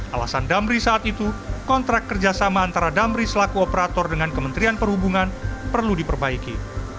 alasan damri saat itu kontrak kerjasama antara damri selaku operator dengan kementerian perhubungan perlu diperbaiki